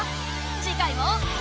次回も。